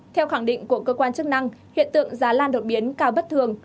theo khẳng định của cơ quan chức năng hiện tượng giá lan đột biến cao bất thường